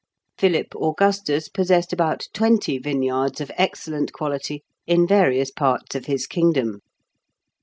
Philip Augustus possessed about twenty vineyards of excellent quality in various parts of his kingdom.